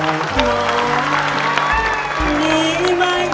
มาหลงรับความลำบาก